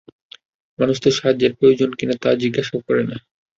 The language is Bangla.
মানুষ তো সাহায্যের প্রয়োজন কিনা তা জিজ্ঞাসাও করে না।